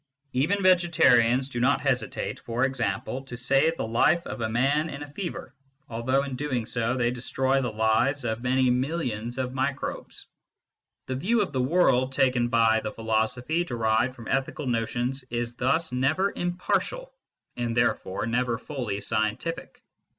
Even vegetarians do not hesitate, for example, to save the life of a man in a fever, although in doing so they destroy the lives of many millions of SCIENTIFIC METHOD IN PHILOSOPHY 109 microbes. The view of the world taken by the philosophy derived from ethical notions is thus never impartial and therefore never fully scientific.